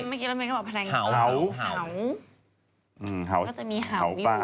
อืมเมื่อกี้เราก็บอกแพรงหาวหาวหาวหาวก็จะมีหาวหาวปลา